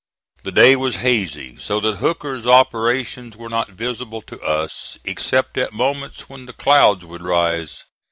The day was hazy, so that Hooker's operations were not visible to us except at moments when the clouds would rise.